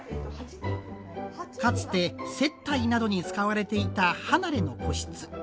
かつて接待などに使われていた離れの個室。